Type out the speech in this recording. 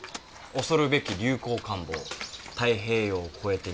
「恐るべき流行感冒太平洋を越えて日本へ。